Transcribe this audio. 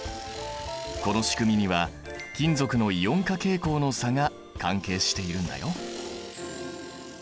このしくみには金属のイオン化傾向の差が関係しているんだよ。